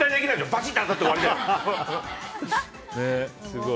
バシッて当たって終わりだよ。